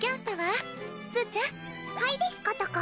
はいですことこ。